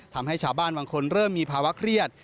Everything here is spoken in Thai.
ทำให้ชาวบ้านบางคนเริ่มมีภาวะเครียด